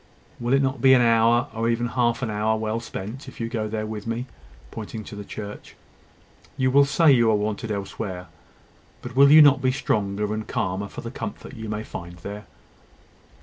Will it not be an hour, or even half an hour, well spent, if you go with me there?" pointing to the church. "You will say you are wanted elsewhere; but will you not be stronger and calmer for the comfort you may find there?"